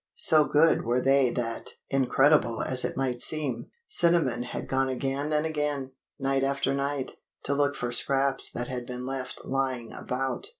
So good were they that, incredible as it might seem, Cinnamon had gone again and again, night after night, to look for scraps that had been left lying about.